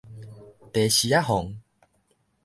茶匙仔癀